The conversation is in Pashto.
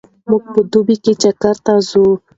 موږ په دوبي کې چکر ته ځو.